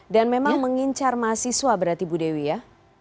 dan memang mengincar mahasiswa berarti bu dewi ya